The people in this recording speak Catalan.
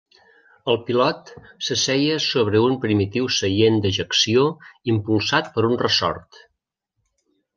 El pilot s'asseia sobre un primitiu seient d'ejecció impulsat per un ressort.